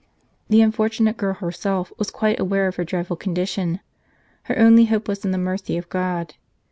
The unfortunate girl herself was quite aware of her dreadful condition. Her only hope was in the mercy of God.